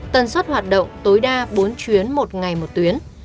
tần suất hoạt động tối đa bốn chuyến một ngày một tuyến